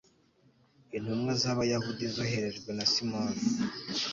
intumwa z'abayahudi zoherejwe na simoni